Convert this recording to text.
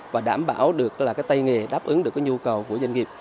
và đảm bảo được tay nghề đáp ứng được nhu cầu của doanh nghiệp